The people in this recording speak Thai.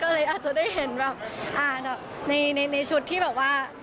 ก็เลยอาจจะได้เห็นแบบอ่านในชุดที่แบบว่า